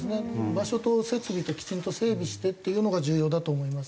場所と設備ときちんと整備してっていうのが重要だと思います。